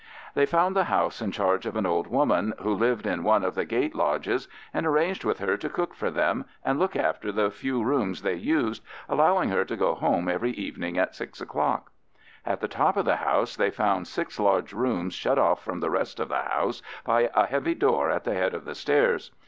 They found the house in charge of an old woman, who lived in one of the gate lodges, and arranged with her to cook for them and look after the few rooms they used, allowing her to go home every evening at six o'clock. At the top of the house they found six large rooms shut off from the rest of the house by a heavy door at the head of the stairs.